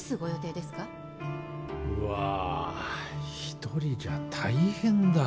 うわ一人じゃ大変だ。